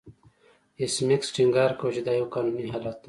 ایس میکس ټینګار کاوه چې دا یو قانوني حالت دی